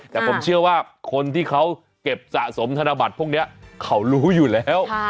แต่ผมเชื่อว่าคนที่เขาเก็บสะสมธนบัตรพวกนี้เขารู้อยู่แล้ว